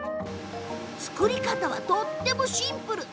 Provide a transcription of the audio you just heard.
作り方はとってもシンプル。